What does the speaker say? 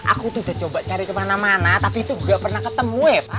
aku tuh udah coba cari kemana mana tapi itu gak pernah ketemu ya pak